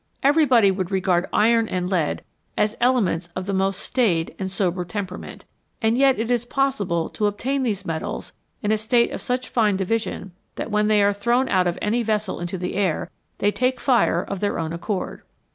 Everybody would regard iron and lead as elements of the most staid and sober temperament ; and yet it is possible to obtain these metals in a state of such fine division, that when they are thrown out of any vessel into the air, they take fire of their own accord.